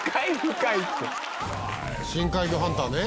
「深海魚ハンターね」